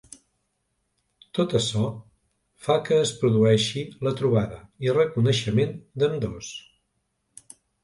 Tot açò fa que es produeixi la trobada i reconeixement d'ambdós.